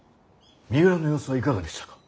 三浦の様子はいかがでしたか。